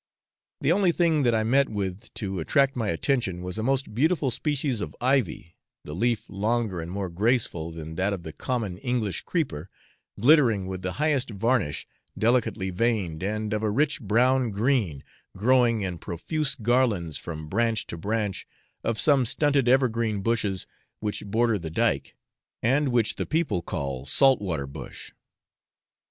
The only thing that I met with to attract my attention was a most beautiful species of ivy, the leaf longer and more graceful than that of the common English creeper, glittering with the highest varnish, delicately veined, and of a rich brown green, growing in profuse garlands from branch to branch of some stunted evergreen bushes which border the dyke, and which the people call salt water bush.